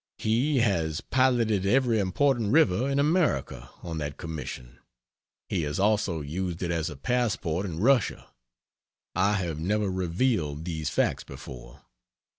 He has piloted every important river in America, on that commission, he has also used it as a passport in Russia. I have never revealed these facts before.